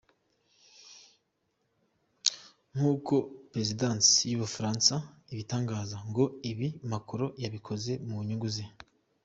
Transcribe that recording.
Nk’uko perezidansi y’Ubufaransa ibitangaza, ngo ibi Macron yabikoze mu nyungu ze.